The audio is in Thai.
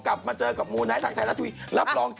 ข่าวไกรง้น๑วัน